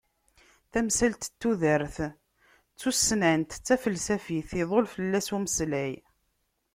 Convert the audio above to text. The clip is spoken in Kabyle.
Tamsalt n tudert, d tussnant, d tafelsafit, iḍul fell-as umeslay.